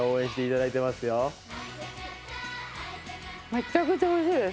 めちゃくちゃ安いです。